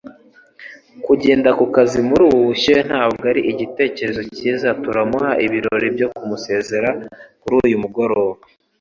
Kugenda kukazi muri ubu bushyuhe ntabwo ari igitekerezo cyiza. Turamuha ibirori byo kumusezera kuri uyu mugoroba.